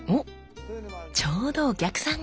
ちょうどお客さんが。